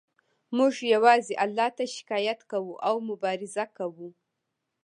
موږ یوازې الله ته شکایت کوو او مبارزه کوو